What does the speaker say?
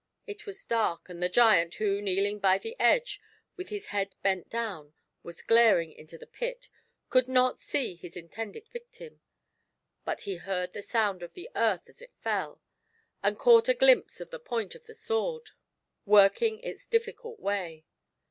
It was dark, and the giant, who, kneeling by the edge, with his head bent down, was glaring into the pit, could not see his in tended victim ; but he heard the sound of the earth as it fell, and caught a glimpse of the point of the sword, working its difficult way.